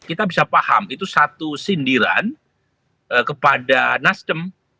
kita bisa paham itu satu sindiran kepada nasdem